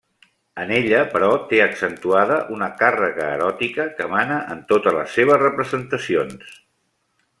En ella, però, té accentuada una càrrega eròtica que emana en totes les seves representacions.